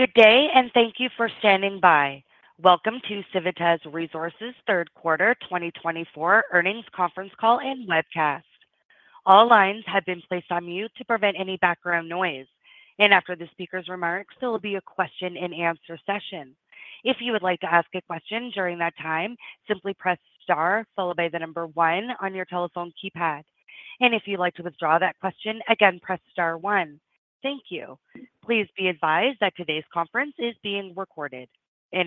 Good day, and thank you for standing by. Welcome to Civitas Resources' Third Quarter 2024 Earnings Conference Call and Webcast. All lines have been placed on mute to prevent any background noise. After the speaker's remarks, there will be a question-and-answer session. If you would like to ask a question during that time, simply press star followed by the number one on your telephone keypad. If you'd like to withdraw that question, again, press star one. Thank you. Please be advised that today's conference is being recorded.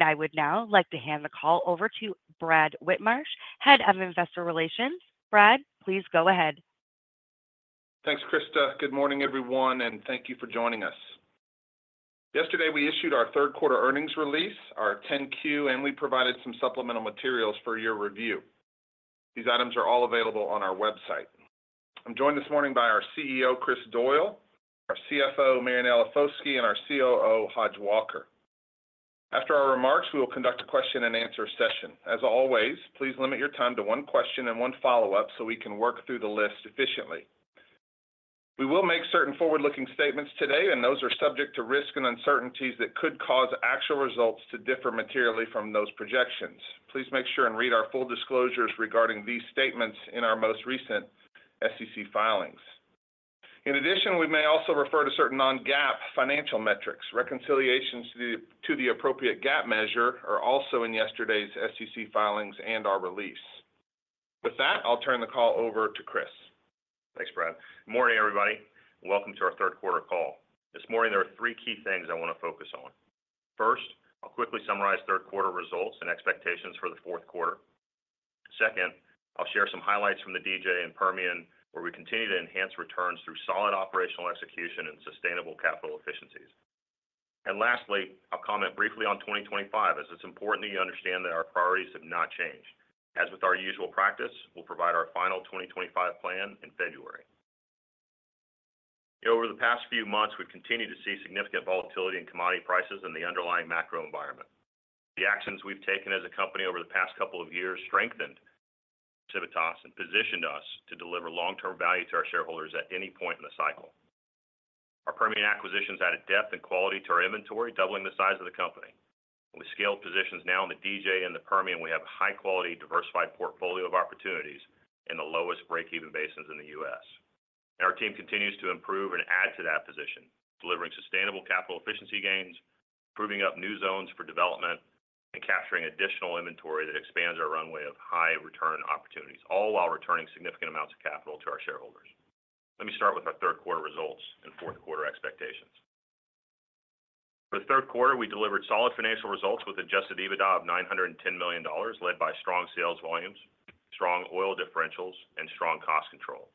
I would now like to hand the call over to Brad Whitmarsh, Head of Investor Relations. Brad, please go ahead. Thanks, Krista. Good morning, everyone, and thank you for joining us. Yesterday, we issued our third-quarter earnings release, our 10-Q, and we provided some supplemental materials for your review. These items are all available on our website. I'm joined this morning by our CEO, Chris Doyle, our CFO, Marianella Foschi, and our COO, Hodge Walker. After our remarks, we will conduct a question-and-answer session. As always, please limit your time to one question and one follow-up so we can work through the list efficiently. We will make certain forward-looking statements today, and those are subject to risk and uncertainties that could cause actual results to differ materially from those projections. Please make sure and read our full disclosures regarding these statements in our most recent SEC filings. In addition, we may also refer to certain non-GAAP financial metrics. Reconciliations to the appropriate GAAP measure are also in yesterday's SEC filings and our release. With that, I'll turn the call over to Chris. Thanks, Brad. Good morning, everybody. Welcome to our third quarter call. This morning, there are three key things I want to focus on. First, I'll quickly summarize third quarter results and expectations for the fourth quarter. Second, I'll share some highlights from the DJ and Permian, where we continue to enhance returns through solid operational execution and sustainable capital efficiencies. And lastly, I'll comment briefly on 2025, as it's important that you understand that our priorities have not changed. As with our usual practice, we'll provide our final 2025 plan in February. Over the past few months, we've continued to see significant volatility in commodity prices and the underlying macro environment. The actions we've taken as a company over the past couple of years strengthened Civitas and positioned us to deliver long-term value to our shareholders at any point in the cycle. Our Permian acquisitions added depth and quality to our inventory, doubling the size of the company. We scaled positions now in the DJ and the Permian. We have a high-quality, diversified portfolio of opportunities in the lowest break-even basins in the U.S. Our team continues to improve and add to that position, delivering sustainable capital efficiency gains, proving up new zones for development, and capturing additional inventory that expands our runway of high-return opportunities, all while returning significant amounts of capital to our shareholders. Let me start with our third quarter results and fourth quarter expectations. For the third quarter, we delivered solid financial results with an adjusted EBITDA of $910 million, led by strong sales volumes, strong oil differentials, and strong cost control.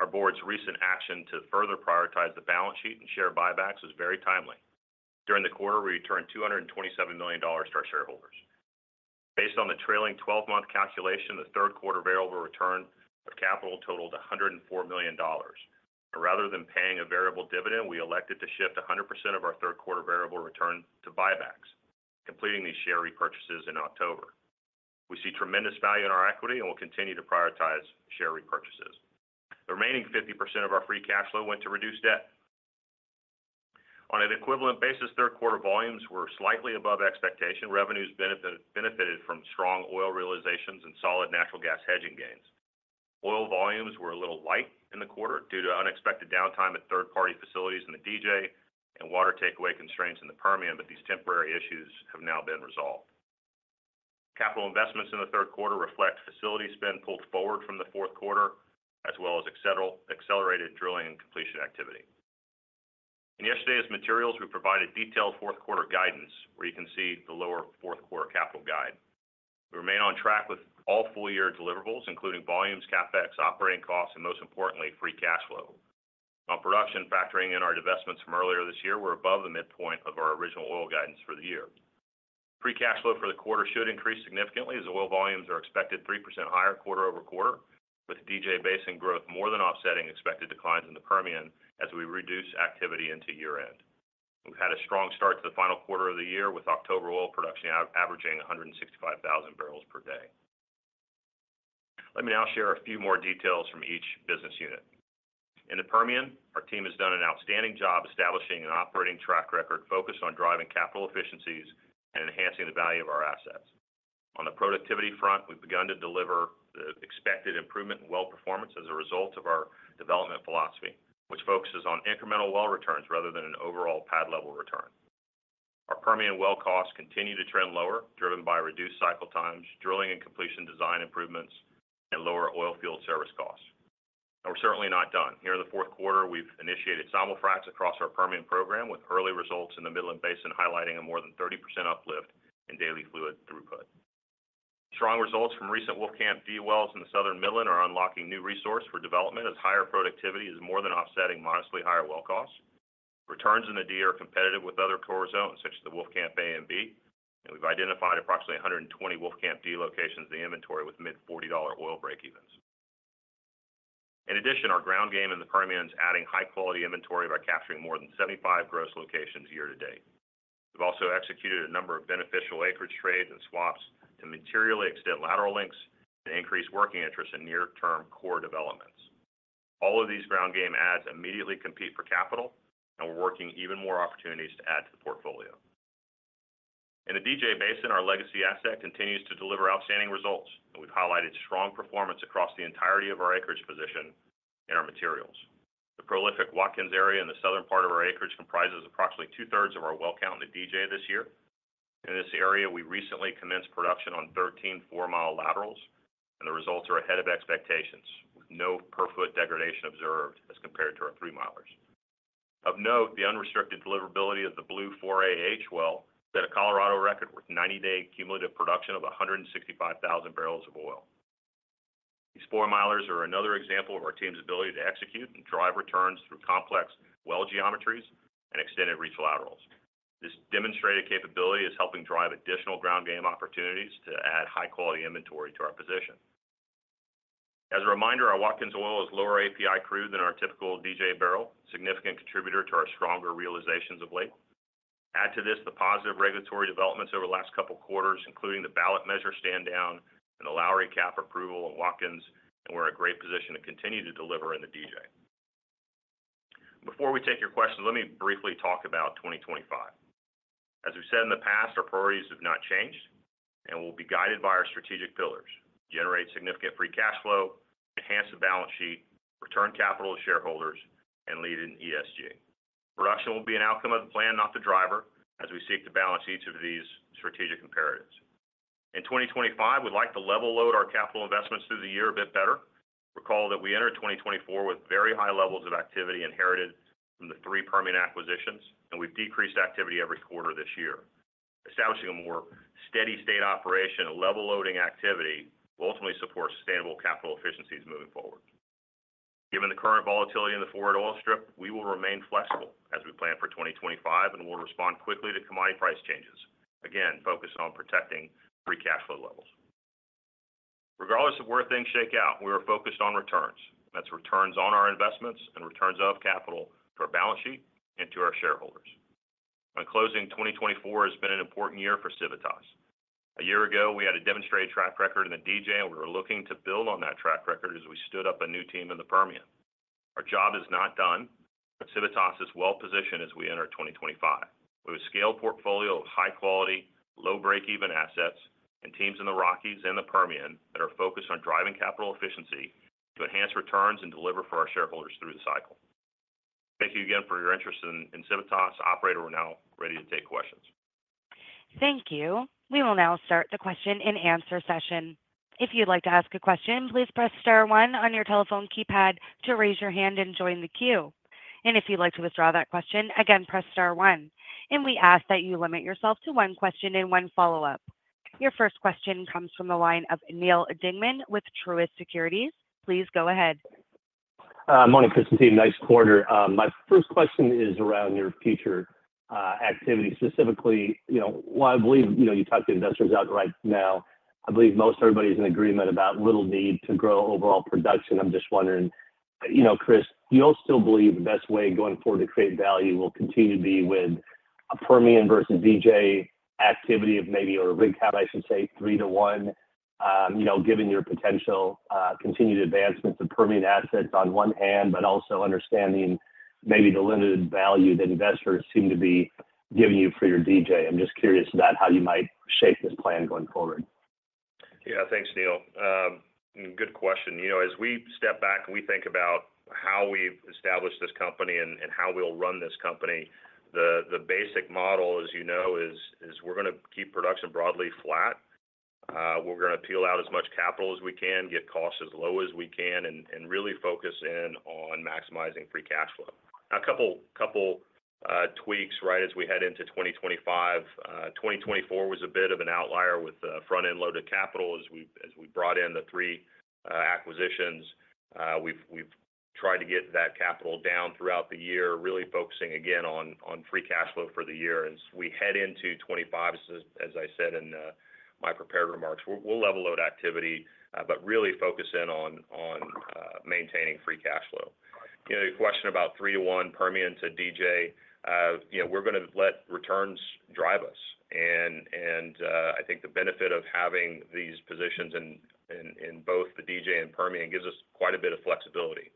Our board's recent action to further prioritize the balance sheet and share buybacks was very timely. During the quarter, we returned $227 million to our shareholders. Based on the trailing 12-month calculation, the third quarter variable return of capital totaled $104 million. Rather than paying a variable dividend, we elected to shift 100% of our third-quarter variable return to buybacks, completing these share repurchases in October. We see tremendous value in our equity and will continue to prioritize share repurchases. The remaining 50% of our free cash flow went to reduced debt. On an equivalent basis, third-quarter volumes were slightly above expectation. Revenues benefited from strong oil realizations and solid natural gas hedging gains. Oil volumes were a little light in the quarter due to unexpected downtime at third-party facilities in the DJ and water takeaway constraints in the Permian, but these temporary issues have now been resolved. Capital investments in the third quarter reflect facility spend pulled forward from the fourth quarter, as well as accelerated drilling and completion activity. In yesterday's materials, we provided detailed fourth-quarter guidance, where you can see the lower fourth-quarter capital guide. We remain on track with all full-year deliverables, including volumes, CapEx, operating costs, and most importantly, free cash flow. On production, factoring in our investments from earlier this year, we're above the midpoint of our original oil guidance for the year. Free cash flow for the quarter should increase significantly as oil volumes are expected 3% higher quarter-over-quarter, with DJ Basin growth more than offsetting expected declines in the Permian as we reduce activity into year-end. We've had a strong start to the final quarter of the year, with October oil production averaging 165,000 barrels per day. Let me now share a few more details from each business unit. In the Permian, our team has done an outstanding job establishing an operating track record focused on driving capital efficiencies and enhancing the value of our assets. On the productivity front, we've begun to deliver the expected improvement in well performance as a result of our development philosophy, which focuses on incremental well returns rather than an overall pad-level return. Our Permian well costs continue to trend lower, driven by reduced cycle times, drilling and completion design improvements, and lower oil field service costs. And we're certainly not done. Here in the fourth quarter, we've initiated simul-fracs across our Permian program, with early results in the Midland Basin highlighting a more than 30% uplift in daily fluid throughput. Strong results from recent Wolfcamp D wells in the southern Midland are unlocking new resources for development as higher productivity is more than offsetting modestly higher well costs. Returns in the D are competitive with other core zones, such as the Wolfcamp A and B, and we've identified approximately 120 Wolfcamp D locations in the inventory with mid-$40 oil break-evens. In addition, our ground game in the Permian is adding high-quality inventory by capturing more than 75 gross locations year-to-date. We've also executed a number of beneficial acreage trades and swaps to materially extend lateral links and increase working interest in near-term core developments. All of these ground game adds immediately compete for capital, and we're working even more opportunities to add to the portfolio. In the DJ Basin, our legacy asset continues to deliver outstanding results, and we've highlighted strong performance across the entirety of our acreage position in our materials. The prolific Watkins area in the southern part of our acreage comprises approximately 2/3 of our well count in the DJ this year. In this area, we recently commenced production on 13 four-mile laterals, and the results are ahead of expectations, with no per-foot degradation observed as compared to our three-milers. Of note, the unrestricted deliverability of the Blue 4AH well set a Colorado record with 90-day cumulative production of 165,000 barrels of oil. These four-milers are another example of our team's ability to execute and drive returns through complex well geometries and extended reach laterals. This demonstrated capability is helping drive additional ground game opportunities to add high-quality inventory to our position. As a reminder, our Watkins oil is lower API crude than our typical DJ barrel, a significant contributor to our stronger realizations of late. Add to this the positive regulatory developments over the last couple of quarters, including the ballot measure stand-down and the Lowry CAP approval in Watkins, and we're in a great position to continue to deliver in the DJ. Before we take your questions, let me briefly talk about 2025. As we've said in the past, our priorities have not changed, and we'll be guided by our strategic pillars: generate significant free cash flow, enhance the balance sheet, return capital to shareholders, and lead in ESG. Production will be an outcome of the plan, not the driver, as we seek to balance each of these strategic imperatives. In 2025, we'd like to level load our capital investments through the year a bit better. Recall that we entered 2024 with very high levels of activity inherited from the three Permian acquisitions, and we've decreased activity every quarter this year. Establishing a more steady-state operation and level loading activity will ultimately support sustainable capital efficiencies moving forward. Given the current volatility in the forward oil strip, we will remain flexible as we plan for 2025 and will respond quickly to commodity price changes, again focused on protecting free cash flow levels. Regardless of where things shake out, we are focused on returns. That's returns on our investments and returns of capital to our balance sheet and to our shareholders. 2024 has been an important year for Civitas. A year ago, we had a demonstrated track record in the DJ, and we were looking to build on that track record as we stood up a new team in the Permian. Our job is not done, but Civitas is well-positioned as we enter 2025. We have a scaled portfolio of high-quality, low-break-even assets and teams in the Rockies and the Permian that are focused on driving capital efficiency to enhance returns and deliver for our shareholders through the cycle. Thank you again for your interest in Civitas. Operator, we're now ready to take questions. Thank you. We will now start the question-and-answer session. If you'd like to ask a question, please press star one on your telephone keypad to raise your hand and join the queue. And if you'd like to withdraw that question, again, press star one. And we ask that you limit yourself to one question and one follow-up. Your first question comes from the line of Neal Dingman with Truist Securities. Please go ahead. Morning, Chris. Nice quarter. My first question is around your future activity. Specifically, I believe you talked to investors outright now. I believe most everybody's in agreement about little need to grow overall production. I'm just wondering, Chris, do you all still believe the best way going forward to create value will continue to be with a Permian versus DJ activity of maybe, or a rig count, I should say, three to one, given your potential continued advancements of Permian assets on one hand, but also understanding maybe the limited value that investors seem to be giving you for your DJ? I'm just curious about how you might shape this plan going forward. Yeah, thanks, Neal. Good question. As we step back and we think about how we've established this company and how we'll run this company, the basic model, as you know, is we're going to keep production broadly flat. We're going to peel out as much capital as we can, get costs as low as we can, and really focus in on maximizing free cash flow. A couple tweaks as we head into 2025. 2024 was a bit of an outlier with front-end loaded capital as we brought in the three acquisitions. We've tried to get that capital down throughout the year, really focusing again on free cash flow for the year. As we head into 2025, as I said in my prepared remarks, we'll level load activity, but really focus in on maintaining free cash flow. Your question about three to one Permian to DJ, we're going to let returns drive us. And I think the benefit of having these positions in both the DJ and Permian gives us quite a bit of flexibility.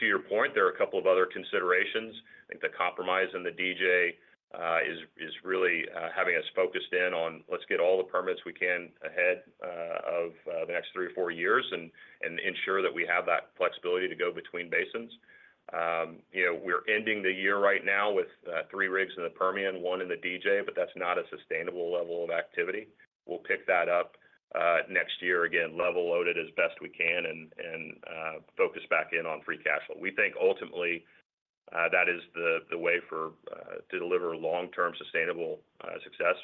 To your point, there are a couple of other considerations. I think the compromise in the DJ is really having us focused in on, let's get all the permits we can ahead of the next three or four years and ensure that we have that flexibility to go between basins. We're ending the year right now with three rigs in the Permian, one in the DJ, but that's not a sustainable level of activity. We'll pick that up next year, again, level loaded as best we can and focus back in on free cash flow. We think ultimately that is the way to deliver long-term sustainable success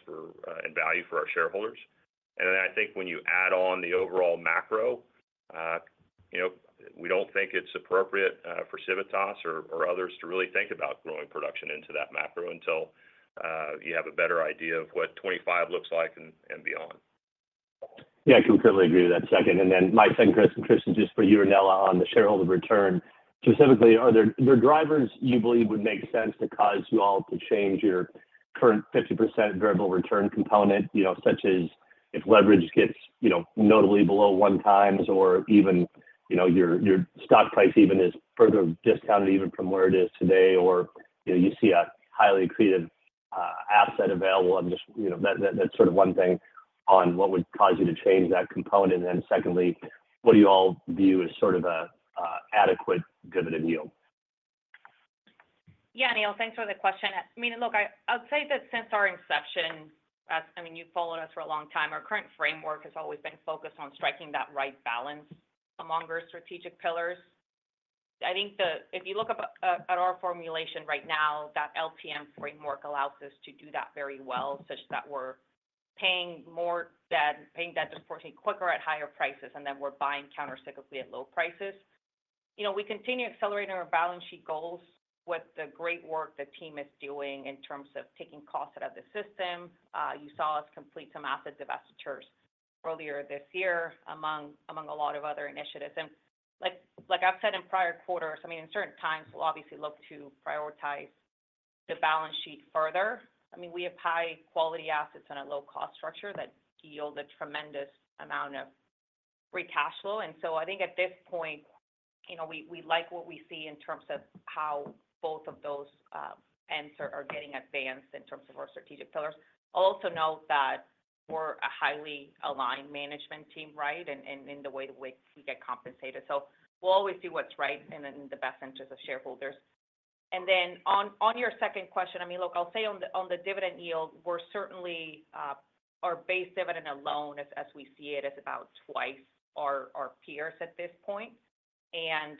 and value for our shareholders. I think when you add on the overall macro, we don't think it's appropriate for Civitas or others to really think about growing production into that macro until you have a better idea of what 2025 looks like and beyond. Yeah, I completely agree with that second. And then my second question, Chris, and just for you, Marianella, on the shareholder return. Specifically, are there drivers you believe would make sense to cause you all to change your current 50% variable return component, such as if leverage gets notably below 1x or even your stock price even is further discounted even from where it is today, or you see a highly accretive asset available? That's sort of one thing on what would cause you to change that component. And then secondly, what do you all view as sort of an adequate dividend yield? Yeah, Neal, thanks for the question. I mean, look, I'll say that since our inception, I mean, you've followed us for a long time. Our current framework has always been focused on striking that right balance among our strategic pillars. I think if you look at our formulation right now, that LTM framework allows us to do that very well, such that we're paying debt disproportionately quicker at higher prices, and then we're buying countercyclically at low prices. We continue accelerating our balance sheet goals with the great work the team is doing in terms of taking costs out of the system. You saw us complete some asset divestitures earlier this year among a lot of other initiatives. Like I've said in prior quarters, I mean, in certain times, we'll obviously look to prioritize the balance sheet further. I mean, we have high-quality assets in a low-cost structure that yield a tremendous amount of free cash flow, and so I think at this point, we like what we see in terms of how both of those ends are getting advanced in terms of our strategic pillars. I'll also note that we're a highly aligned management team, right, in the way that we get compensated, so we'll always do what's right in the best interest of shareholders, and then on your second question, I mean, look, I'll say on the dividend yield, we're certainly our base dividend alone, as we see it, is about twice our peers at this point, and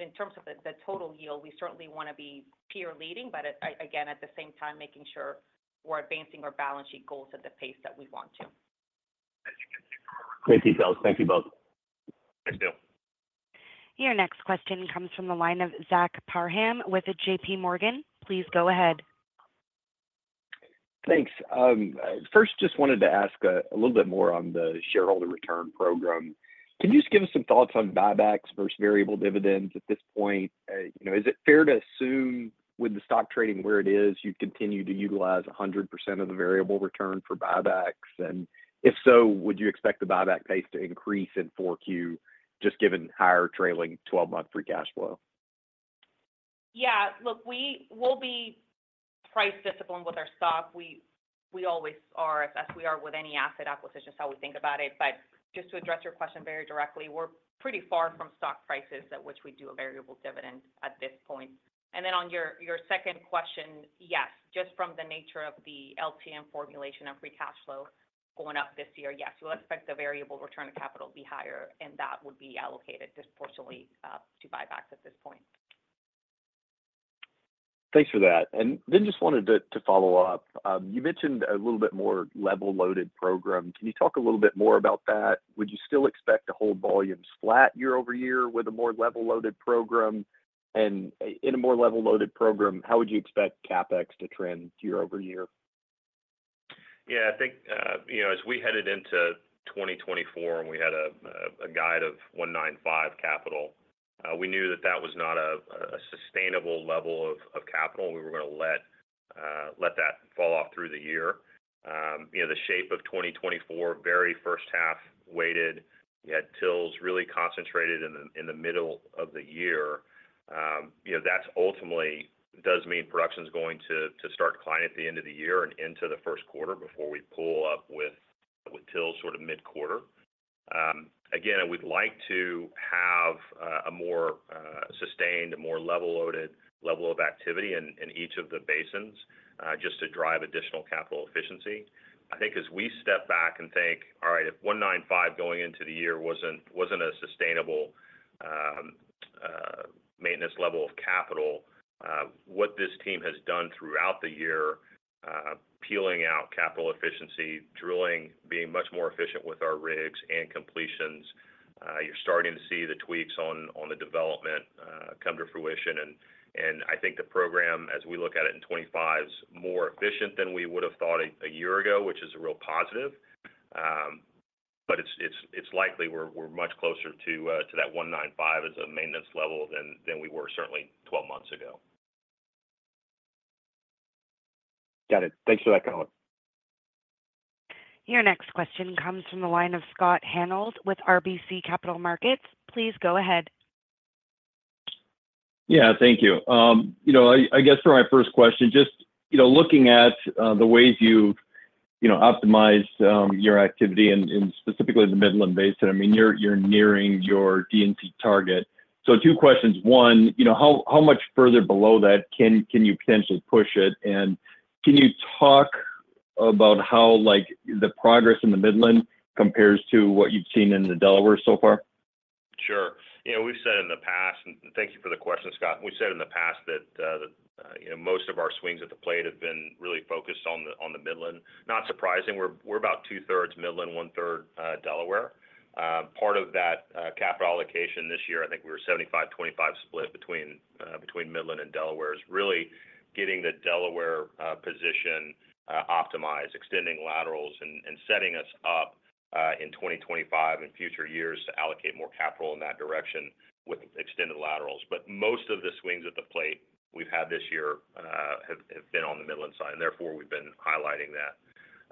in terms of the total yield, we certainly want to be peer leading, but again, at the same time, making sure we're advancing our balance sheet goals at the pace that we want to. Great details. Thank you both. Thank you. Your next question comes from the line of Zach Parham with JPMorgan. Please go ahead. Thanks. First, just wanted to ask a little bit more on the shareholder return program. Can you just give us some thoughts on buybacks versus variable dividends at this point? Is it fair to assume with the stock trading where it is, you'd continue to utilize 100% of the variable return for buybacks? And if so, would you expect the buyback pace to increase in 4Q just given higher trailing 12-month free cash flow? Yeah. Look, we will be price disciplined with our stock. We always are, as we are with any asset acquisition, is how we think about it, but just to address your question very directly, we're pretty far from stock prices at which we do a variable dividend at this point, and then on your second question, yes, just from the nature of the LTM formulation of free cash flow going up this year, yes, we'll expect the variable return of capital to be higher, and that would be allocated disproportionately to buybacks at this point. Thanks for that. And then just wanted to follow up. You mentioned a little bit more level-loaded program. Can you talk a little bit more about that? Would you still expect to hold volumes flat year-over-year with a more level-loaded program? And in a more level-loaded program, how would you expect CapEx to trend year-over-year? Yeah, I think as we headed into 2024 and we had a guide of 195 capital, we knew that that was not a sustainable level of capital. We were going to let that fall off through the year. The shape of 2024, very first-half weighted, you had wells really concentrated in the middle of the year. That ultimately does mean production's going to start to climb at the end of the year and into the first quarter before we pull back with wells sort of mid-quarter. Again, we'd like to have a more sustained, a more level-loaded level of activity in each of the basins just to drive additional capital efficiency. I think as we step back and think, "All right, if 195 going into the year wasn't a sustainable maintenance level of capital, what this team has done throughout the year, peeling out capital efficiency, drilling, being much more efficient with our rigs and completions, you're starting to see the tweaks on the development come to fruition." And I think the program, as we look at it in 2025, is more efficient than we would have thought a year ago, which is a real positive. But it's likely we're much closer to that 195 as a maintenance level than we were certainly 12 months ago. Got it. Thanks for that, color. Your next question comes from the line of Scott Hanold with RBC Capital Markets. Please go ahead. Yeah, thank you. I guess for my first question, just looking at the ways you've optimized your activity and specifically the Midland Basin, I mean, you're nearing your D&C target. So two questions. One, how much further below that can you potentially push it? And can you talk about how the progress in the Midland compares to what you've seen in the Delaware so far? Sure. We've said in the past, and thank you for the question, Scott. We've said in the past that most of our swings at the plate have been really focused on the Midland. Not surprising. We're about 2/3 Midland, 1/3 Delaware. Part of that capital allocation this year, I think we were 75-25 split between Midland and Delaware, is really getting the Delaware position optimized, extending laterals, and setting us up in 2025 and future years to allocate more capital in that direction with extended laterals. But most of the swings at the plate we've had this year have been on the Midland side, and therefore we've been highlighting that.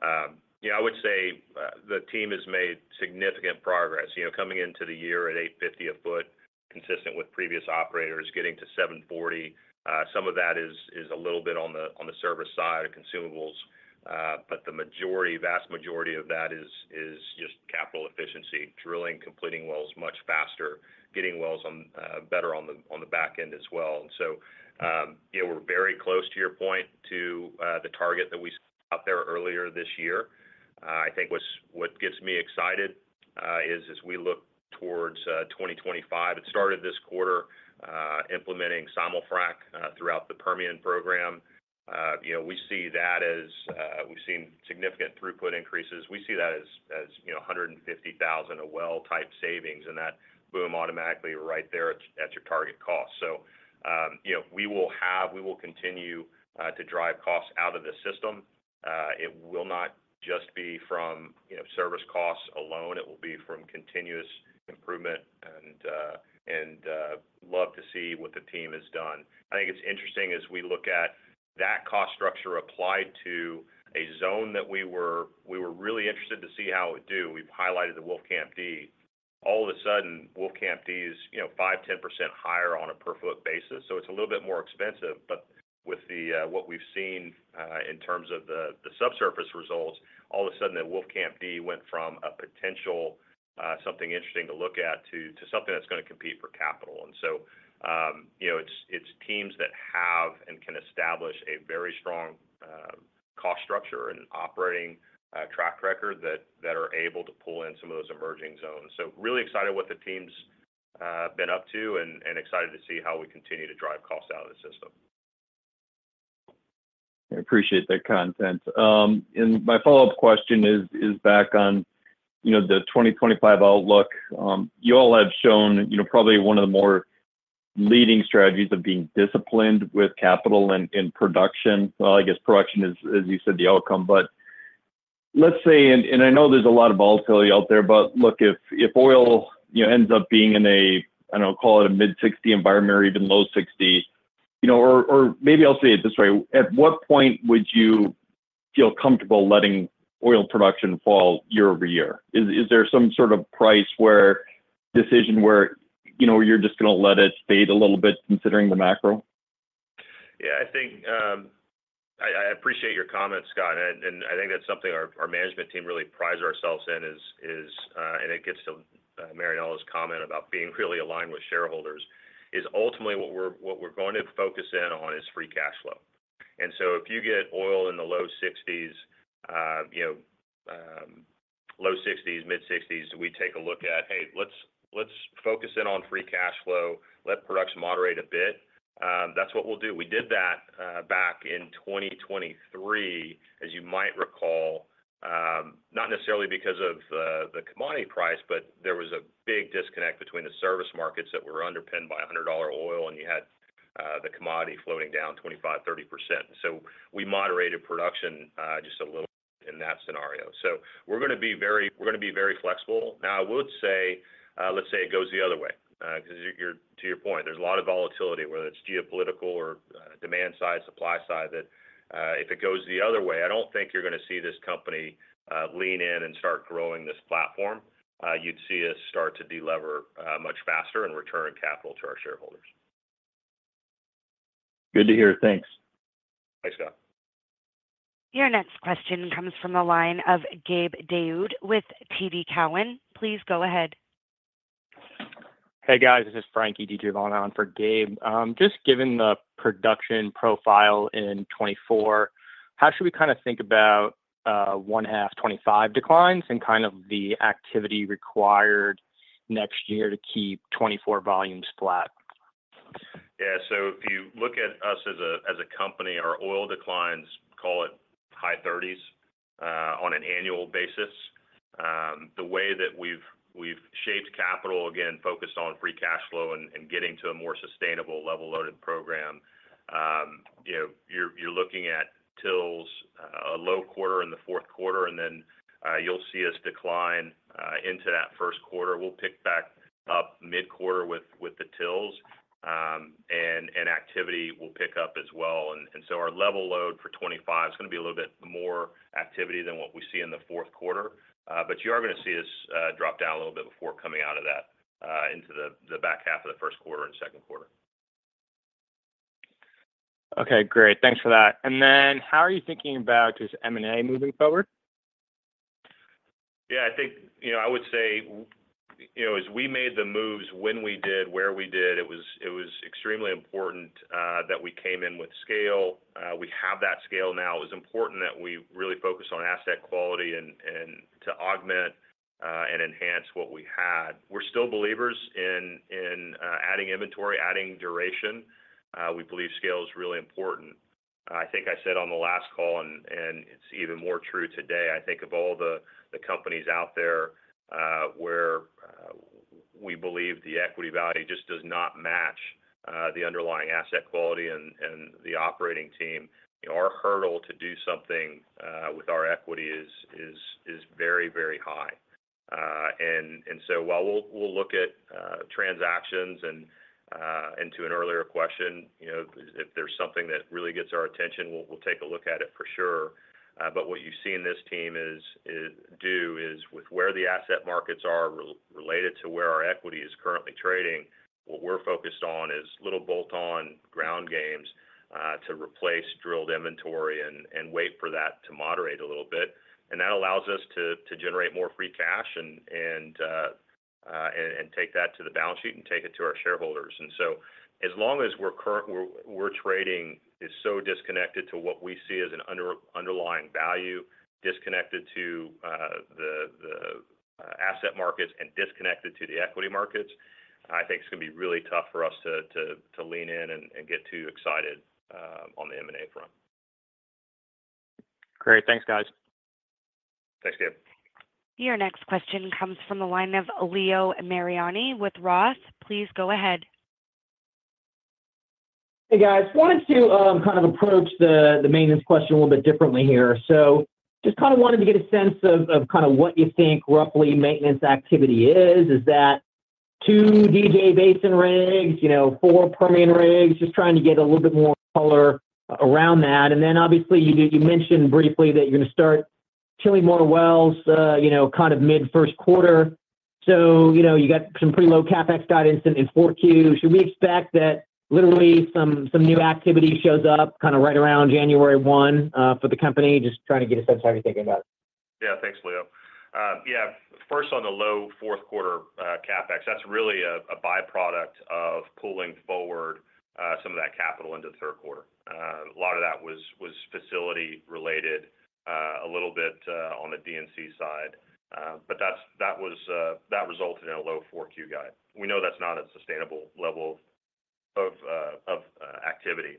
I would say the team has made significant progress. Coming into the year at $850 a foot, consistent with previous operators, getting to $740. Some of that is a little bit on the service side of consumables, but the vast majority of that is just capital efficiency. Drilling, completing wells much faster, getting wells better on the back end as well. And so we're very close, to your point, to the target that we set out there earlier this year. I think what gets me excited is as we look towards 2025, it started this quarter implementing simul-frac throughout the Permian program. We see that as we've seen significant throughput increases. We see that as 150,000 a well type savings, and that boom automatically right there at your target cost. So we will continue to drive costs out of the system. It will not just be from service costs alone. It will be from continuous improvement, and I'd love to see what the team has done. I think it's interesting as we look at that cost structure applied to a zone that we were really interested to see how it would do. We've highlighted the Wolfcamp D. All of a sudden, Wolfcamp D is 5%-10% higher on a per foot basis. So it's a little bit more expensive. But with what we've seen in terms of the subsurface results, all of a sudden, the Wolfcamp D went from a potential something interesting to look at to something that's going to compete for capital. And so it's teams that have and can establish a very strong cost structure and operating track record that are able to pull in some of those emerging zones. So really excited what the team's been up to and excited to see how we continue to drive costs out of the system. I appreciate that content, and my follow-up question is back on the 2025 outlook. You all have shown probably one of the more leading strategies of being disciplined with capital and production. Well, I guess production is, as you said, the outcome, but let's say, and I know there's a lot of volatility out there, but look, if oil ends up being in a, I don't know, call it a mid-$60 environment or even low $60, or maybe I'll say it this way. At what point would you feel comfortable letting oil production fall year-over-year? Is there some sort of price decision where you're just going to let it fade a little bit considering the macro? Yeah, I think I appreciate your comment, Scott. I think that's something our management team really prides ourselves in, and it gets to Marianella's comment about being really aligned with shareholders. Ultimately, what we're going to focus in on is free cash flow. So if you get oil in the low 60s, mid-60s, we take a look at, "Hey, let's focus in on free cash flow. Let production moderate a bit." That's what we'll do. We did that back in 2023, as you might recall, not necessarily because of the commodity price, but there was a big disconnect between the service markets that were underpinned by $100 oil, and you had the commodity floating down 25%, 30%. We moderated production just a little bit in that scenario. We're going to be very flexible. Now, I would say, let's say it goes the other way. To your point, there's a lot of volatility, whether it's geopolitical or demand side, supply side, that if it goes the other way, I don't think you're going to see this company lean in and start growing this platform. You'd see us start to delever much faster and return capital to our shareholders. Good to hear. Thanks. Thanks, Scott. Your next question comes from the line of Gabe Daoud with TD Cowen. Please go ahead. Hey, guys. This is Francis DiGiovanna for Gabe. Just given the production profile in 2024, how should we kind of think about 2025 declines and kind of the activity required next year to keep 2024 volumes flat? Yeah. So if you look at us as a company, our oil declines, call it high 30s% on an annual basis. The way that we've shaped capital, again, focused on free cash flow and getting to a more sustainable level loaded program, you're looking at D&C's a low quarter in Q4, and then you'll see us decline into that first quarter. We'll pick back up mid-quarter with the D&C's, and activity will pick up as well. And so our level load for 2025 is going to be a little bit more activity than what we see in the fourth quarter. But you are going to see us drop down a little bit before coming out of that into the back half of the first quarter and second quarter. Okay. Great. Thanks for that. And then how are you thinking about just M&A moving forward? Yeah. I think I would say as we made the moves when we did, where we did, it was extremely important that we came in with scale. We have that scale now. It was important that we really focus on asset quality and to augment and enhance what we had. We're still believers in adding inventory, adding duration. We believe scale is really important. I think I said on the last call, and it's even more true today. I think of all the companies out there where we believe the equity value just does not match the underlying asset quality and the operating team. Our hurdle to do something with our equity is very, very high. And so while we'll look at transactions and to an earlier question, if there's something that really gets our attention, we'll take a look at it for sure. What you see in this team, too, is with where the asset markets are related to where our equity is currently trading, what we're focused on is little bolt-on ground games to replace drilled inventory and wait for that to moderate a little bit. And that allows us to generate more free cash and take that to the balance sheet and take it to our shareholders. And so as long as we're trading, it's so disconnected to what we see as an underlying value, disconnected to the asset markets, and disconnected to the equity markets, I think it's going to be really tough for us to lean in and get too excited on the M&A front. Great. Thanks, guys. Thanks, Gabe. Your next question comes from the line of Leo Mariani with Roth. Please go ahead. Hey, guys. Wanted to kind of approach the maintenance question a little bit differently here. So just kind of wanted to get a sense of kind of what you think roughly maintenance activity is. Is that two DJ Basin rigs, four Permian rigs, just trying to get a little bit more color around that? And then obviously, you mentioned briefly that you're going to start drilling more wells kind of mid-first quarter. So you got some pretty low CapEx guidance in four Qs. Should we expect that literally some new activity shows up kind of right around January 1 for the company? Just trying to get a sense of how you're thinking about it. Yeah. Thanks, Leo. Yeah. First, on the low fourth quarter CapEx, that's really a byproduct of pulling forward some of that capital into the third quarter. A lot of that was facility related, a little bit on the D&C side. But that resulted in a low Q4 guide. We know that's not a sustainable level of activity.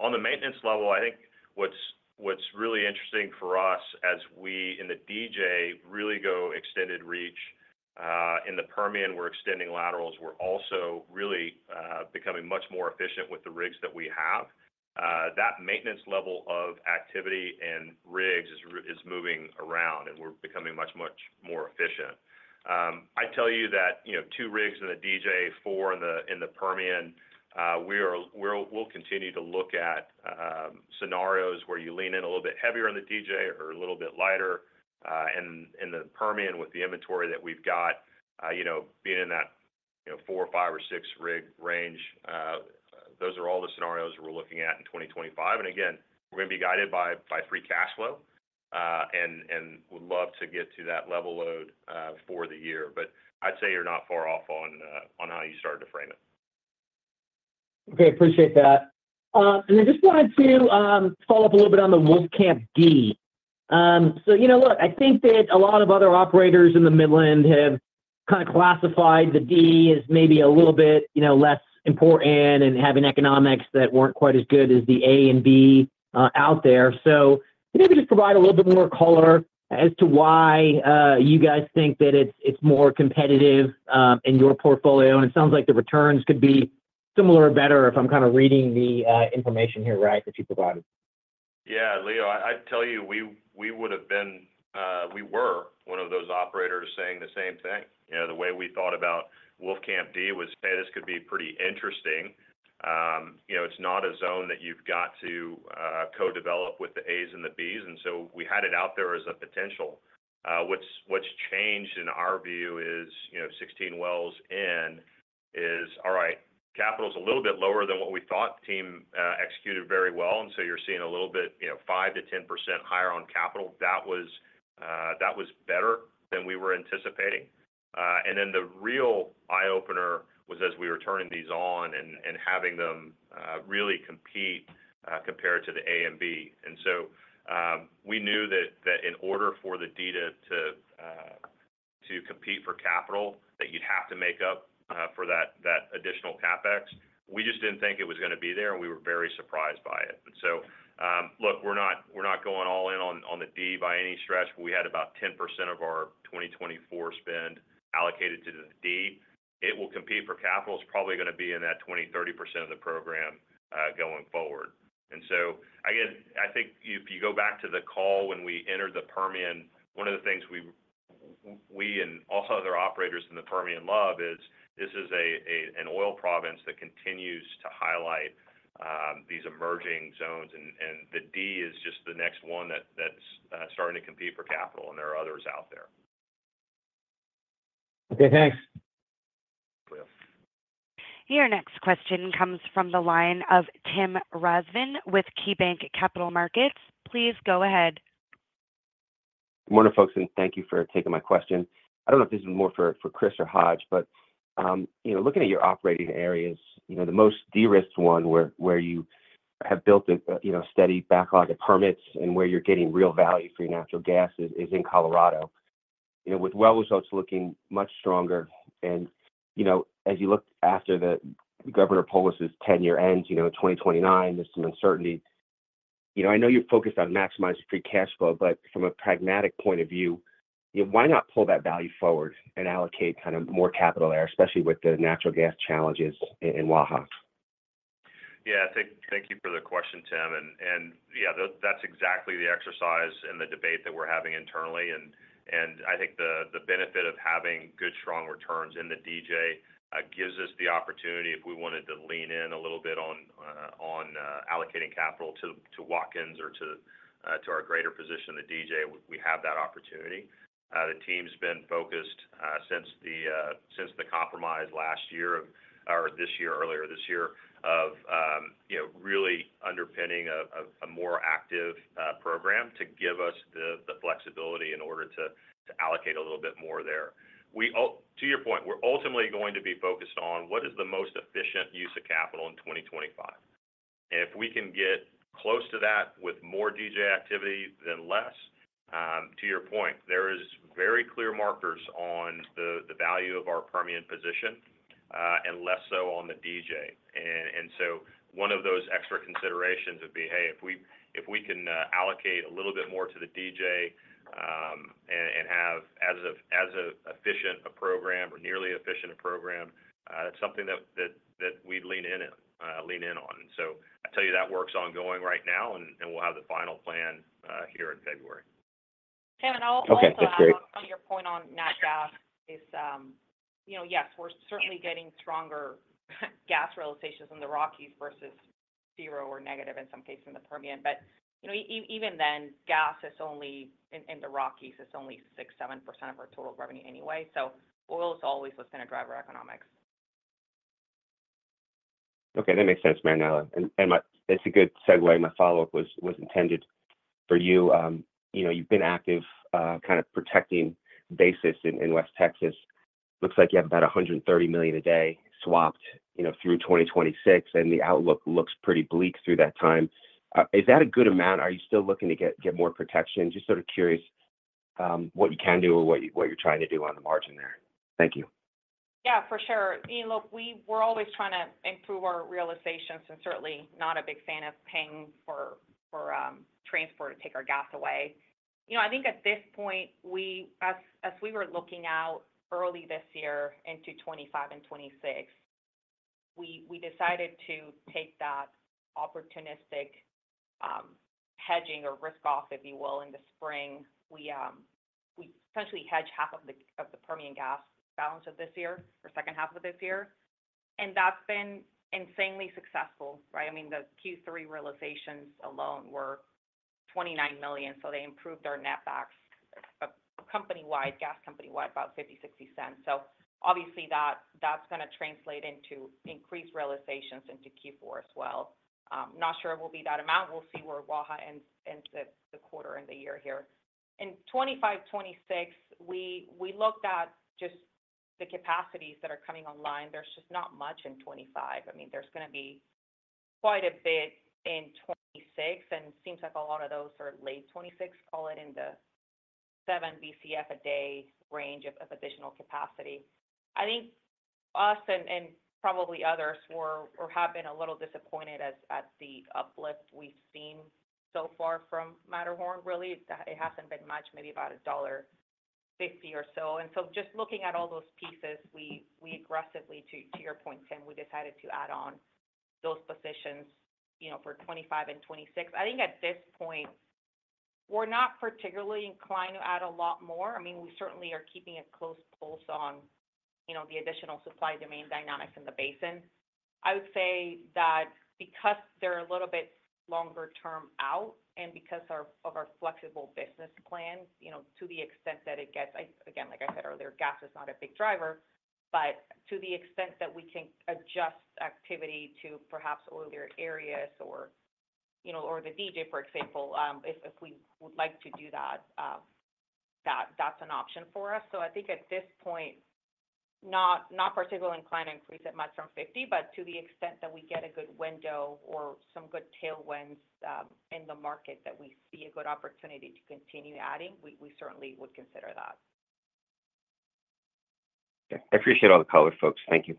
On the maintenance level, I think what's really interesting for us as we in the DJ really go extended reach. In the Permian, we're extending laterals. We're also really becoming much more efficient with the rigs that we have. That maintenance level of activity and rigs is moving around, and we're becoming much, much more efficient. I tell you that two rigs in the DJ, four in the Permian, we'll continue to look at scenarios where you lean in a little bit heavier on the DJ or a little bit lighter. And in the Permian, with the inventory that we've got, being in that four, five, or six rig range, those are all the scenarios we're looking at in 2025. And again, we're going to be guided by free cash flow and would love to get to that level load for the year. But I'd say you're not far off on how you started to frame it. Okay. Appreciate that. And I just wanted to follow up a little bit on the Wolfcamp D. So look, I think that a lot of other operators in the Midland have kind of classified the D as maybe a little bit less important and having economics that weren't quite as good as the A and B out there. So maybe just provide a little bit more color as to why you guys think that it's more competitive in your portfolio. And it sounds like the returns could be similar or better if I'm kind of reading the information here, right, that you provided? Yeah. Leo, I'd tell you we would have been we were one of those operators saying the same thing. The way we thought about Wolfcamp D was, "Hey, this could be pretty interesting." It's not a zone that you've got to co-develop with the A's and the B's. And so we had it out there as a potential. What's changed in our view is 16 wells in is, "All right, capital's a little bit lower than what we thought. Team executed very well. And so you're seeing a little bit 5%-10% higher on capital." That was better than we were anticipating. And then the real eye-opener was as we were turning these on and having them really compete compared to the A and B. And so we knew that in order for the D to compete for capital, that you'd have to make up for that additional CapEx. We just didn't think it was going to be there, and we were very surprised by it. And so look, we're not going all in on the D by any stretch. We had about 10% of our 2024 spend allocated to the D. It will compete for capital. It's probably going to be in that 20%-30% of the program going forward. And so again, I think if you go back to the call when we entered the Permian, one of the things we and all other operators in the Permian love is this is an oil province that continues to highlight these emerging zones. And the D is just the next one that's starting to compete for capital, and there are others out there. Okay. Thanks. Your next question comes from the line of Tim Rezvan with KeyBank Capital Markets. Please go ahead. Good morning, folks, and thank you for taking my question. I don't know if this is more for Chris or Hodge, but looking at your operating areas, the most de-risked one where you have built a steady backlog of permits and where you're getting real value for your natural gas is in Colorado, with well results looking much stronger, and as you look after the Governor Polis' tenure ends in 2029, there's some uncertainty. I know you're focused on maximizing free cash flow, but from a pragmatic point of view, why not pull that value forward and allocate kind of more capital there, especially with the natural gas challenges in Waha? Yeah. Thank you for the question, Tim. And yeah, that's exactly the exercise and the debate that we're having internally. And I think the benefit of having good, strong returns in the DJ gives us the opportunity, if we wanted to lean in a little bit on allocating capital to Watkins or to our greater position in the DJ, we have that opportunity. The team's been focused since the compromise last year or this year, earlier this year, of really underpinning a more active program to give us the flexibility in order to allocate a little bit more there. To your point, we're ultimately going to be focused on what is the most efficient use of capital in 2025. And if we can get close to that with more DJ activity than less, to your point, there are very clear markers on the value of our Permian position and less so on the DJ. And so one of those extra considerations would be, "Hey, if we can allocate a little bit more to the DJ and have as efficient a program or nearly efficient a program, that's something that we'd lean in on." And so I tell you, that work's ongoing right now, and we'll have the final plan here in February. Tim, I'll follow up on your point on natural gas. Yes, we're certainly getting stronger gas realizations in the Rockies versus zero or negative in some cases in the Permian, but even then, gas is only in the Rockies. It's only 6%-7% of our total revenue anyway, so oil is always what's going to drive our economics. Okay. That makes sense, Marianella. And that's a good segue. My follow-up was intended for you. You've been active kind of protecting basis in West Texas. Looks like you have about 130 million a day swapped through 2026, and the outlook looks pretty bleak through that time. Is that a good amount? Are you still looking to get more protection? Just sort of curious what you can do or what you're trying to do on the margin there. Thank you. Yeah, for sure. I mean, look, we're always trying to improve our realizations and certainly not a big fan of paying for transport to take our gas away. I think at this point, as we were looking out early this year into 2025 and 2026, we decided to take that opportunistic hedging or risk-off, if you will, in the spring. We essentially hedged half of the Permian gas balance of this year or second half of this year. And that's been insanely successful, right? I mean, the Q3 realizations alone were $29 million. So they improved our netback company-wide, gas company-wide, about $0.50-$0.60. So obviously, that's going to translate into increased realizations into Q4 as well. Not sure it will be that amount. We'll see where Waha ends the quarter and the year here. In 2025 and 2026, we looked at just the capacities that are coming online. There's just not much in 2025. I mean, there's going to be quite a bit in 2026, and it seems like a lot of those are late 2026, call it in the 7 BCF a day range of additional capacity. I think us and probably others have been a little disappointed at the uplift we've seen so far from Matterhorn, really. It hasn't been much, maybe about $1.50 or so. And so just looking at all those pieces, we aggressively, to your point, Tim, we decided to add on those positions for 2025 and 2026. I think at this point, we're not particularly inclined to add a lot more. I mean, we certainly are keeping a close eye on the additional supply demand dynamics in the basin. I would say that because they're a little bit longer term out and because of our flexible business plan to the extent that it gets, again, like I said earlier, gas is not a big driver, but to the extent that we can adjust activity to perhaps earlier areas or the DJ, for example, if we would like to do that, that's an option for us. So I think at this point, not particularly inclined to increase it much from 50, but to the extent that we get a good window or some good tailwinds in the market that we see a good opportunity to continue adding, we certainly would consider that. Okay. I appreciate all the color, folks. Thank you.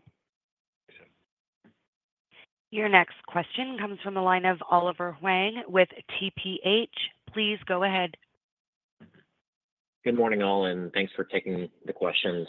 Your next question comes from the line of Oliver Huang with TPH. Please go ahead. Good morning, all, and thanks for taking the questions.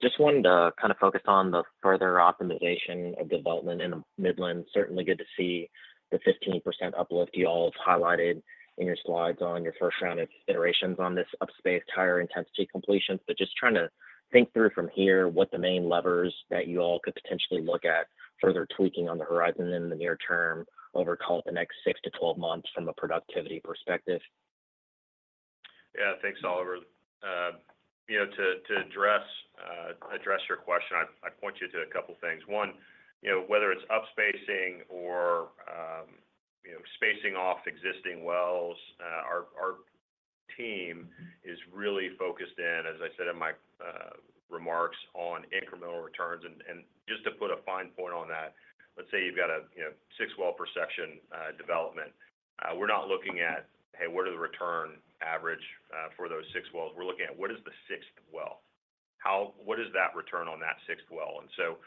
Just wanted to kind of focus on the further optimization of development in the Midland. Certainly good to see the 15% uplift you all have highlighted in your slides on your first round of iterations on this upspacing, higher intensity completions. But just trying to think through from here what the main levers that you all could potentially look at further tweaking on the horizon in the near term over, call it, the next six to 12 months from a productivity perspective? Yeah. Thanks, Oliver. To address your question, I point you to a couple of things. One, whether it's upspacing or spacing off existing wells, our team is really focused in, as I said in my remarks, on incremental returns. And just to put a fine point on that, let's say you've got a six well per section development. We're not looking at, "Hey, what are the return average for those six wells?" We're looking at, "What is the sixth well? What is that return on that sixth well?" And so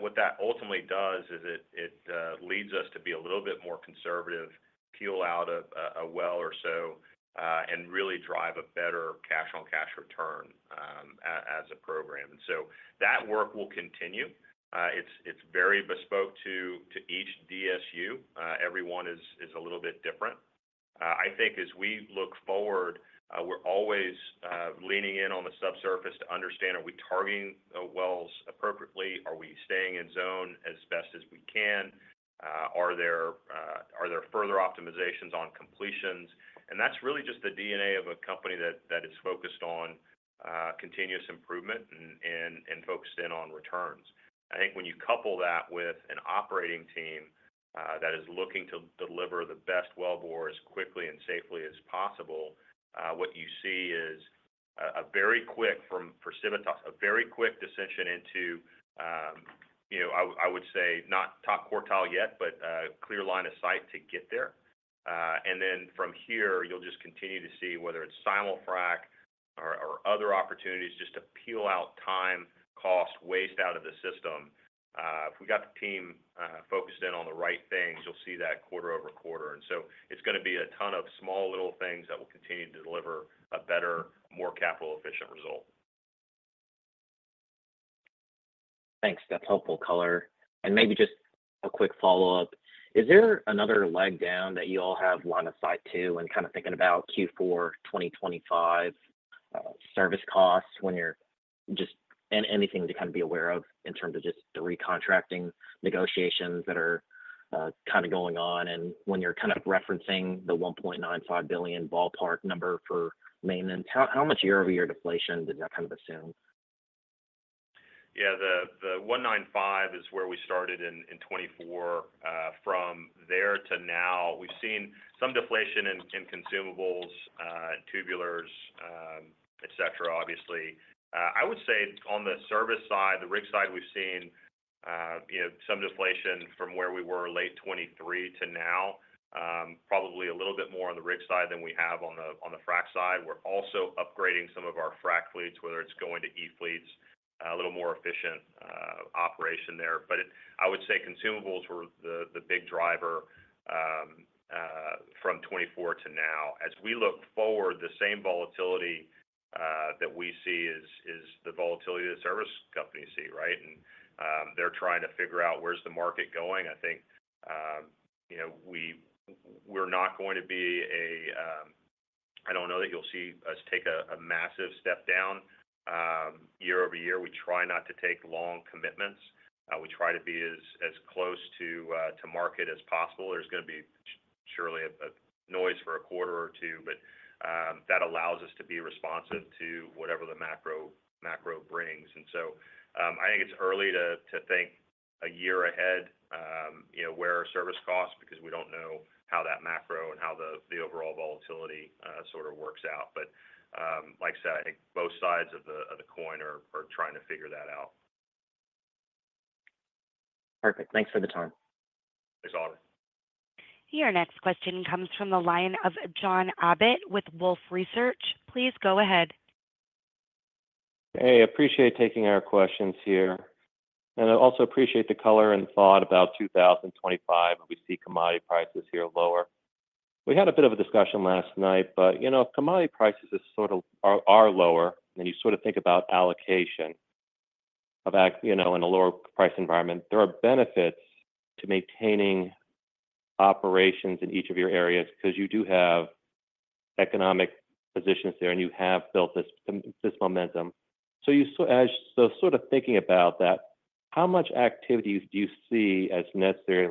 what that ultimately does is it leads us to be a little bit more conservative, peel out a well or so, and really drive a better cash-on-cash return as a program. And so that work will continue. It's very bespoke to each DSU. Every one is a little bit different. I think as we look forward, we're always leaning in on the subsurface to understand, "Are we targeting wells appropriately? Are we staying in zone as best as we can? Are there further optimizations on completions?" And that's really just the DNA of a company that is focused on continuous improvement and focused in on returns. I think when you couple that with an operating team that is looking to deliver the best well bores as quickly and safely as possible, what you see is a very quick for Civitas, a very quick decision into, I would say, not top quartile yet, but clear line of sight to get there. And then from here, you'll just continue to see whether it's simul-frac or other opportunities just to peel out time, cost, waste out of the system. If we got the team focused in on the right things, you'll see that quarter-over-quarter, and so it's going to be a ton of small little things that will continue to deliver a better, more capital-efficient result. Thanks. That's helpful color. And maybe just a quick follow-up. Is there another leg down that you all have line of sight to and kind of thinking about Q4 2025 service costs when you're just anything to kind of be aware of in terms of just the recontracting negotiations that are kind of going on? And when you're kind of referencing the $1.95 billion ballpark number for maintenance, how much year-over-year deflation does that kind of assume? Yeah. The 195 is where we started in 2024. From there to now, we've seen some deflation in consumables, tubulars, etc., obviously. I would say on the service side, the rig side, we've seen some deflation from where we were late 2023 to now, probably a little bit more on the rig side than we have on the frac side. We're also upgrading some of our frac fleets, whether it's going to e-fleets, a little more efficient operation there. But I would say consumables were the big driver from 2024 to now. As we look forward, the same volatility that we see is the volatility that service companies see, right? And they're trying to figure out where's the market going. I think we're not going to be, I don't know that you'll see us take a massive step down year-over-year. We try not to take long commitments. We try to be as close to market as possible. There's going to be surely a noise for a quarter or two, but that allows us to be responsive to whatever the macro brings. And so I think it's early to think a year ahead where our service costs because we don't know how that macro and how the overall volatility sort of works out. But like I said, I think both sides of the coin are trying to figure that out. Perfect. Thanks for the time. Thanks, Oliver. Your next question comes from the line of John Abbott with Wolfe Research. Please go ahead. Hey, appreciate taking our questions here, and I also appreciate the color and thought about 2025 when we see commodity prices here lower. We had a bit of a discussion last night, but commodity prices are lower, and you sort of think about allocation in a lower price environment. There are benefits to maintaining operations in each of your areas because you do have economic positions there and you have built this momentum, so sort of thinking about that, how much activity do you see as necessary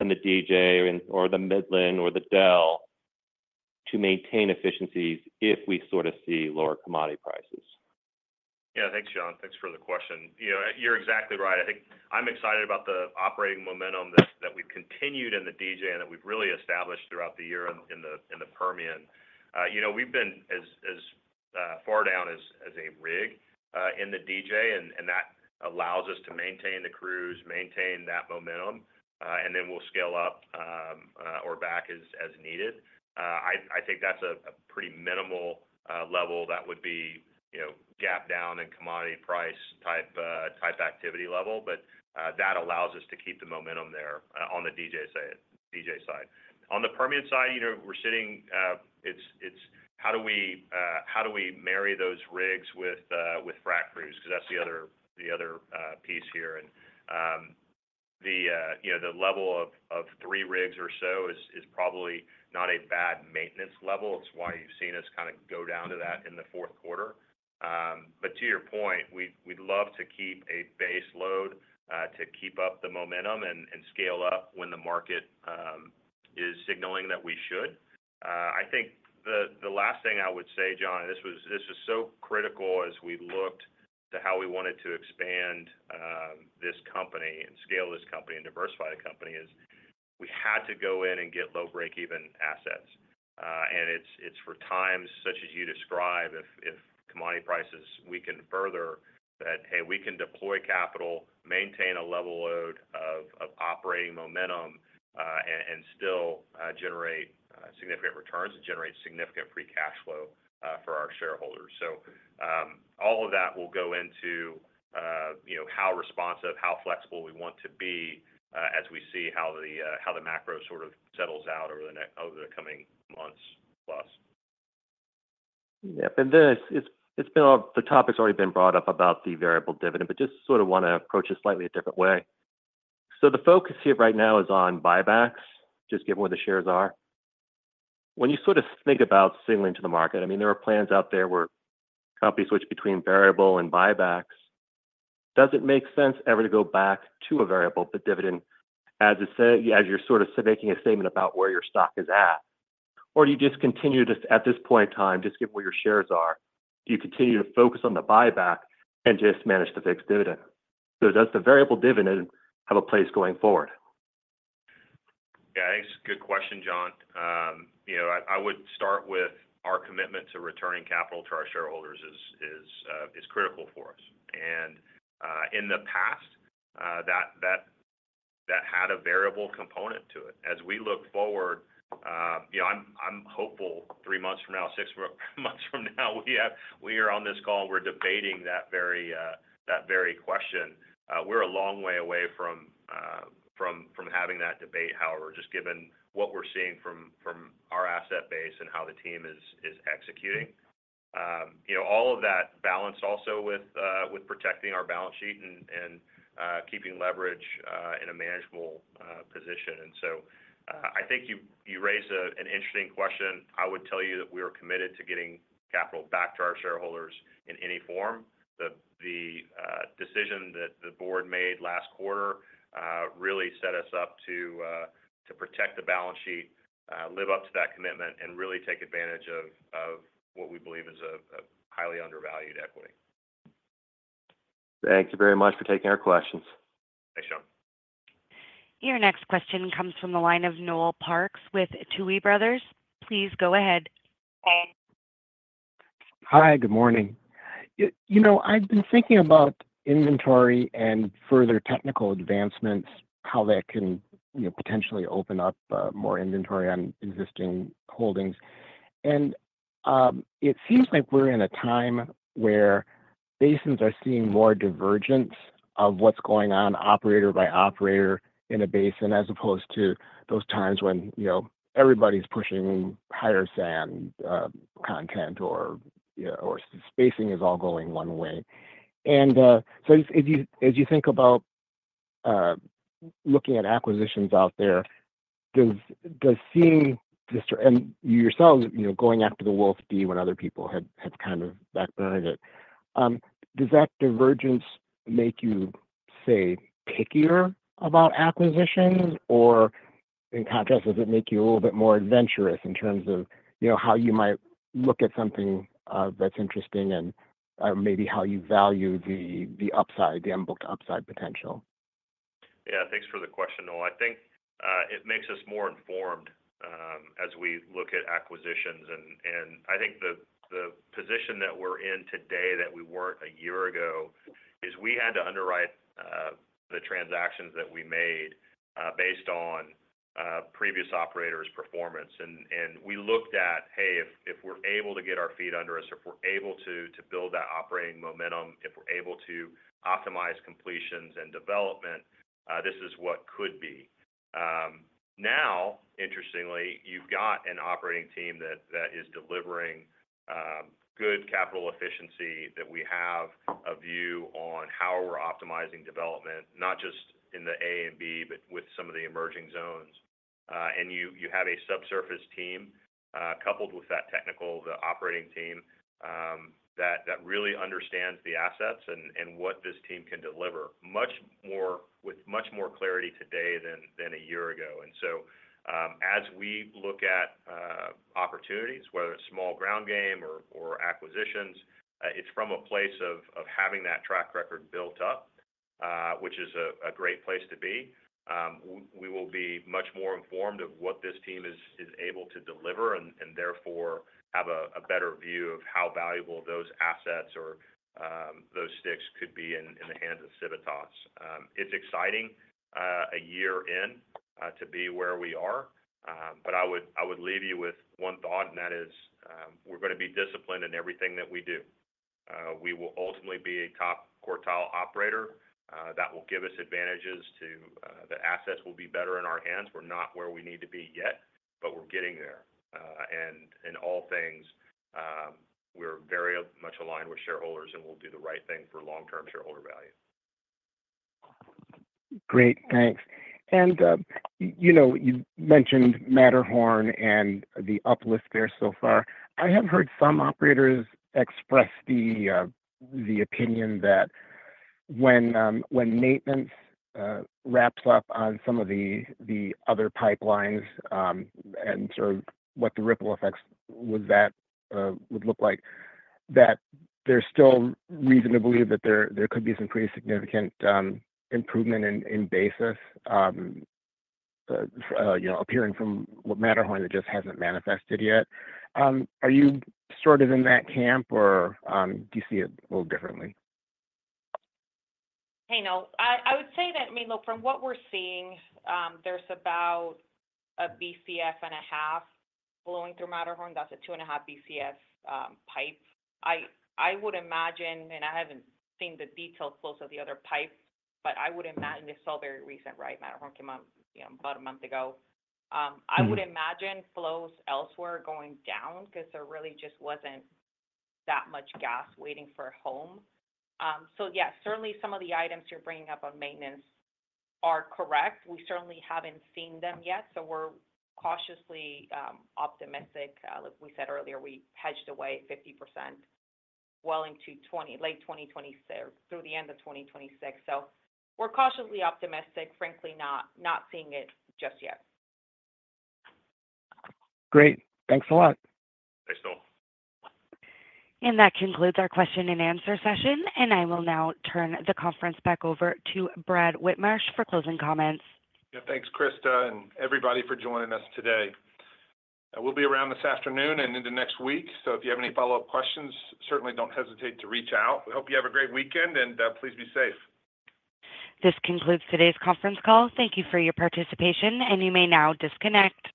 in the DJ or the Midland or the Delaware to maintain efficiencies if we sort of see lower commodity prices? Yeah. Thanks, John. Thanks for the question. You're exactly right. I think I'm excited about the operating momentum that we've continued in the DJ and that we've really established throughout the year in the Permian. We've been as far down as a rig in the DJ, and that allows us to maintain the crews, maintain that momentum, and then we'll scale up or back as needed. I think that's a pretty minimal level that would be gap down and commodity price type activity level, but that allows us to keep the momentum there on the DJ side. On the Permian side, we're sitting. It's how do we marry those rigs with frac crews because that's the other piece here. And the level of three rigs or so is probably not a bad maintenance level. It's why you've seen us kind of go down to that in the fourth quarter. But to your point, we'd love to keep a base load to keep up the momentum and scale up when the market is signaling that we should. I think the last thing I would say, John, and this was so critical as we looked to how we wanted to expand this company and scale this company and diversify the company is we had to go in and get low break-even assets. And it's for times such as you describe, if commodity prices we can further that, "Hey, we can deploy capital, maintain a level load of operating momentum, and still generate significant returns and generate significant free cash flow for our shareholders." So all of that will go into how responsive, how flexible we want to be as we see how the macro sort of settles out over the coming months plus. Yep, and then the topic's already been brought up about the variable dividend, but just sort of want to approach it slightly a different way, so the focus here right now is on buybacks, just given where the shares are. When you sort of think about signaling to the market, I mean, there are plans out there where companies switch between variable and buybacks. Does it make sense ever to go back to a variable dividend as you're sort of making a statement about where your stock is at? Or do you just continue to, at this point in time, just given where your shares are, do you continue to focus on the buyback and just manage the fixed dividend, so does the variable dividend have a place going forward? Yeah. I think it's a good question, John. I would start with our commitment to returning capital to our shareholders is critical for us, and in the past, that had a variable component to it. As we look forward, I'm hopeful three months from now, six months from now, we are on this call, we're debating that very question. We're a long way away from having that debate, however, just given what we're seeing from our asset base and how the team is executing. All of that balanced also with protecting our balance sheet and keeping leverage in a manageable position, so I think you raise an interesting question. I would tell you that we are committed to getting capital back to our shareholders in any form. The decision that the board made last quarter really set us up to protect the balance sheet, live up to that commitment, and really take advantage of what we believe is a highly undervalued equity. Thank you very much for taking our questions. Thanks, John. Your next question comes from the line of Noel Parks with Tuohy Brothers. Please go ahead. Hi. Good morning. I've been thinking about inventory and further technical advancements, how that can potentially open up more inventory on existing holdings. It seems like we're in a time where basins are seeing more divergence of what's going on operator by operator in a basin as opposed to those times when everybody's pushing higher sand content or spacing is all going one way. So as you think about looking at acquisitions out there, does seeing yourself going after the Wolfcamp D when other people have kind of backburnered it, does that divergence make you say pickier about acquisitions? Or in contrast, does it make you a little bit more adventurous in terms of how you might look at something that's interesting and maybe how you value the upside, the unbooked upside potential? Yeah. Thanks for the question, Noel. I think it makes us more informed as we look at acquisitions. And I think the position that we're in today that we weren't a year ago is we had to underwrite the transactions that we made based on previous operators' performance. And we looked at, "Hey, if we're able to get our feet under us, if we're able to build that operating momentum, if we're able to optimize completions and development, this is what could be." Now, interestingly, you've got an operating team that is delivering good capital efficiency that we have a view on how we're optimizing development, not just in the A and B, but with some of the emerging zones. And you have a subsurface team coupled with the operating team that really understands the assets and what this team can deliver, with much more clarity today than a year ago. And so as we look at opportunities, whether it's small ground game or acquisitions, it's from a place of having that track record built up, which is a great place to be. We will be much more informed of what this team is able to deliver and therefore have a better view of how valuable those assets or those sticks could be in the hands of Civitas. It's exciting a year in to be where we are, but I would leave you with one thought, and that is we're going to be disciplined in everything that we do. We will ultimately be a top quartile operator. That will give us advantages that the assets will be better in our hands. We're not where we need to be yet, but we're getting there, and in all things, we're very much aligned with shareholders and we'll do the right thing for long-term shareholder value. Great. Thanks. And you mentioned Matterhorn and the uplift there so far. I have heard some operators express the opinion that when maintenance wraps up on some of the other pipelines and sort of what the ripple effects would look like, that there's still reason to believe that there could be some pretty significant improvement in basis appearing from what Matterhorn that just hasn't manifested yet. Are you sort of in that camp or do you see it a little differently? Hey, no. I would say that, I mean, look, from what we're seeing, there's about a BCF and a half flowing through Matterhorn. That's a 2 1/2 BCF pipe. I would imagine, and I haven't seen the details close-up of the other pipe, but I would imagine it's all very recent, right? Matterhorn came out about a month ago. I would imagine flows elsewhere going down because there really just wasn't that much gas waiting for a home. So yeah, certainly some of the items you're bringing up on maintenance are correct. We certainly haven't seen them yet. So we're cautiously optimistic. Like we said earlier, we hedged away 50% well into late 2026, through the end of 2026. So we're cautiously optimistic, frankly, not seeing it just yet. Great. Thanks a lot. Thanks, Noel. That concludes our question and answer session. I will now turn the conference back over to Brad Whitmarsh for closing comments. Yeah. Thanks, Krista, and everybody for joining us today. We'll be around this afternoon and into next week. So if you have any follow-up questions, certainly don't hesitate to reach out. We hope you have a great weekend and please be safe. This concludes today's conference call. Thank you for your participation, and you may now disconnect.